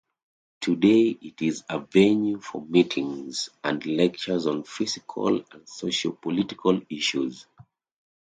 Today it is a venue for meetings and lectures on physical and socio-political issues.